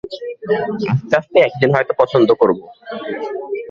আস্তে আস্তে একদিন হয়তো পছন্দ করবো।